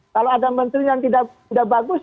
kalau ada menteri yang tidak bagus